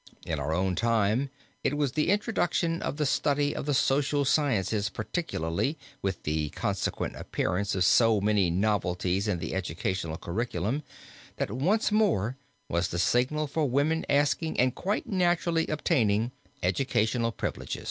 In our own time it was the introduction of the study of the social sciences particularly, with the consequent appearance of many novelties in the educational curriculum, that once more was the signal for women asking and quite naturally obtaining educational privileges.